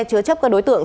chữa chấp các đối tượng